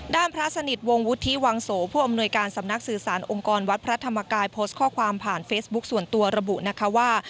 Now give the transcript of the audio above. ด้านพระสนิทวงวุฒิวังโสผู้อำนวยการสำนักสื่อสารองค์กรวัดพระธรรมกายโพสต์ข้อความผ่านเฟซบุ๊คส่วนตัวระบุนะคะว่า